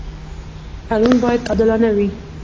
تړون باید عادلانه وي.